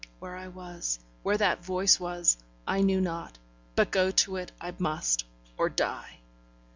Where I was, where that voice was, I knew not; but go to it I must, or die.